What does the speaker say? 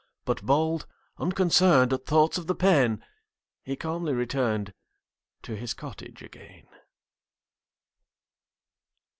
But bold, unconcern'd At thoughts of the pain, He calmly return'd To his cottage again.